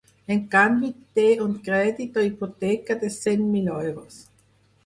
En canvi, té un crèdit o hipoteca de cent mil euros.